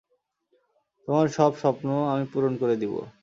তোমার সব স্বপ্ন আমি পূরণ করে দিবো।